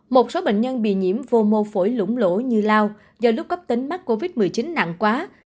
một số bệnh nhân bị nhiễm vô mô phổi lũng lỗ như lao do lúc cấp tính mắc covid một mươi chín nặng quá